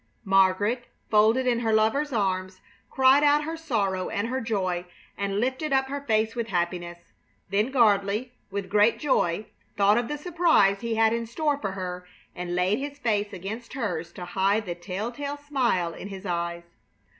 Margaret, folded in her lover's arms, cried out her sorrow and her joy, and lifted up her face with happiness. Then Gardley, with great joy, thought of the surprise he had in store for her and laid his face against hers to hide the telltale smile in his eyes.